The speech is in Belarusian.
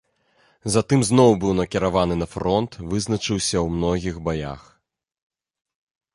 Затым зноў быў накіраваны на фронт, вызначыўся ў многіх баях.